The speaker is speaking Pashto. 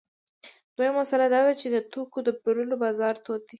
دویمه مسئله دا ده چې د توکو د پلورلو بازار تود دی